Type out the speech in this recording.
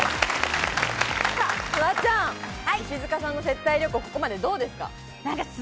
フワちゃん、石塚さんの接待旅行、ここまでどうですか？